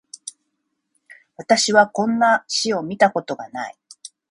私はこんな詩を見たことがない